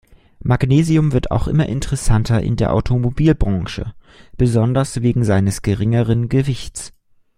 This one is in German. Magnesium wird auch immer interessanter in der Automobilbranche, besonders wegen seines geringeren Gewichts.